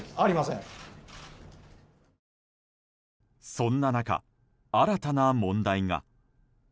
そんな中、新たな問題が。